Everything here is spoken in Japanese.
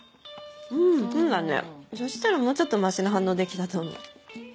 うんそうだねそしたらもうちょっとマシな反応できたと思う。